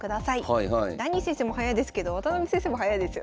ダニー先生も早いですけど渡辺先生も早いですよね。